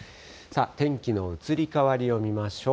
天気の移り変わりを見ましょう。